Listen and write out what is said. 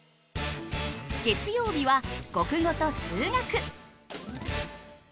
月曜日は国語と数学。